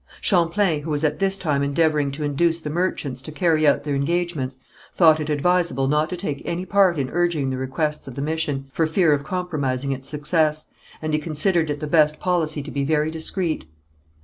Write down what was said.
Champlain, who was at this time endeavouring to induce the merchants to carry out their engagements, thought it advisable not to take any part in urging the requests of the mission, for fear of compromising its success, and he considered it the best policy to be very discreet.